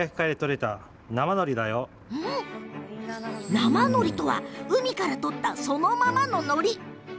生のりとは海から採ったそのままの、のり。